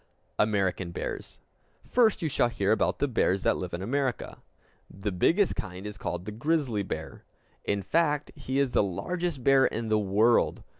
American Bears First you shall hear about the bears that live in America. The biggest kind is called the grizzly bear. In fact, he is the largest bear in the world.